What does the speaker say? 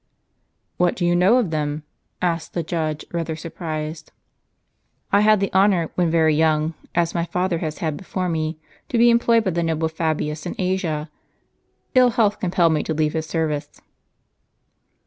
"What, do you know them?" asked the judge, rather surprised. " I had the honor, when very young, as my father had had before me, to be employed by the noble Fabius in Asia. Ill health compelled me to leave his service."